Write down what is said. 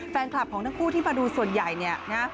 แฟนคลับของทั้งคู่ที่มาดูส่วนใหญ่เนี่ยนะ